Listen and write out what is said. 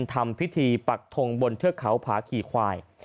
ทำพิธีปักทงบนเทือกเขาผาขี่ควาย